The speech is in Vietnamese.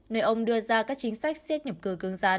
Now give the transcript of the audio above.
nơi ông đưa ra các chính sách siết nhập cư cướng rắn